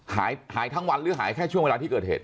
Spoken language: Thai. หายทั้งวันหรือหายแค่ช่วงเวลาที่เกิดเหตุ